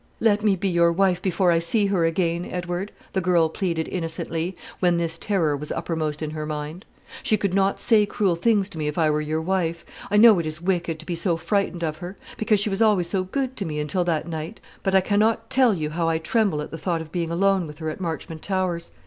"Let me be your wife before I see her again, Edward," the girl pleaded innocently, when this terror was uppermost in her mind. "She could not say cruel things to me if I were your wife. I know it is wicked to be so frightened of her; because she was always good to me until that night: but I cannot tell you how I tremble at the thought of being alone with her at Marchmont Towers.